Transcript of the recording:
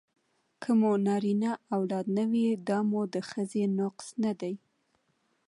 که مو نرینه اولاد نه وي دا مو د ښځې نقص نه دی